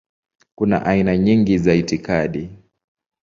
Kuna aina nyingi za itikadi.